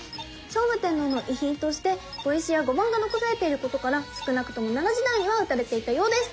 聖武天皇の遺品として碁石や碁盤が残されていることから少なくとも奈良時代には打たれていたようです。